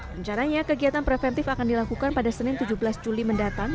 rencananya kegiatan preventif akan dilakukan pada senin tujuh belas juli mendatang